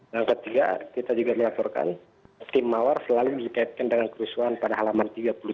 yang ketiga kita juga melaporkan tim mawar selalu dikaitkan dengan kerusuhan pada halaman tiga puluh tiga